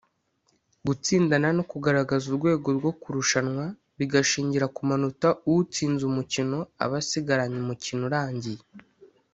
Gutsindana no kugaragaza urwego rwo kurushanwa bigashingira ku manota utsinze umukino aba asigaranye umukino urangiye